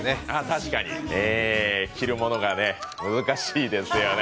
確かに着るものが難しいですよね。